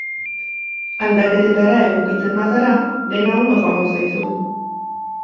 Aldaketetara egokitzen bazara, dena ondo joango zaizu.